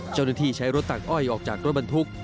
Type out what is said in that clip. เจ้าหน้าที่ใช้รถตักอ้อยออกจากรถบรรทุก